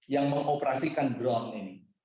yang mengoperasikan drone ini